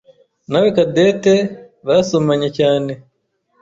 nawe Cadette basomanye cyane.